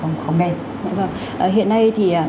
nên hiện nay thì